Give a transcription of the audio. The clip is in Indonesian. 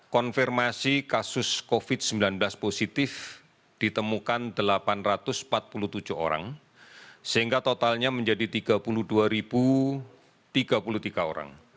konfirmasi kasus covid sembilan belas positif ditemukan delapan ratus empat puluh tujuh orang sehingga totalnya menjadi tiga puluh dua tiga puluh tiga orang